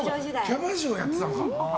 キャバ嬢をやってたのか。